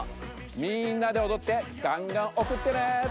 みんなでおどってがんがんおくってね！